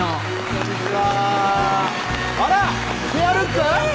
こんにちは